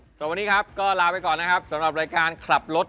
ส่วนวันนี้ครับก็ลาไปก่อนนะครับสำหรับรายการขับรถ